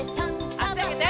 あしあげて！